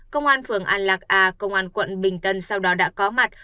công an phường an lạc a công an quận bình tân sau đó đã có mặt